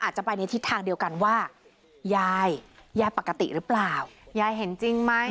อาจจะไปในทิศทางเดียวกันว่ายายยายปกติหรือเปล่ายายเห็นจริงไหม